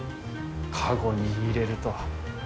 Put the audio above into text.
カゴに入れると。